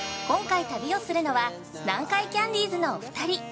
今回旅をするのは、南海キャンディーズのお２人。